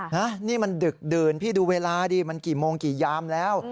นะนี่มันดึกดื่นพี่ดูเวลาดิมันกี่โมงกี่ยามแล้ว